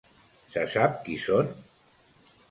Se sap qui són?